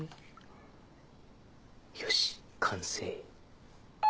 よし完成。